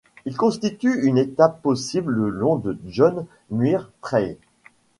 Il constitue une étape possible le long du John Muir Trail.